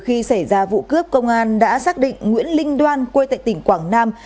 khi xảy ra vụ cướp công an đã xác định nguyễn linh đoan quê tại tỉnh quảng nam